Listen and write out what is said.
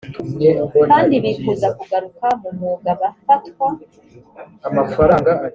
kandi bifuza kugaruka mu mwuga bafatwa